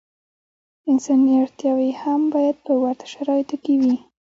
انساني اړتیاوې یې هم باید په ورته شرایطو کې وي.